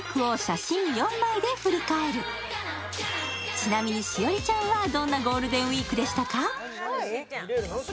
ちなみに、栞里ちゃんはどんなゴールデンウイークでしたか？